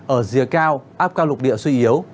ở rìa cao áp cao lục địa suy yếu